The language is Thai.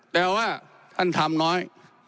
แต่ว่าท่านทำน้อย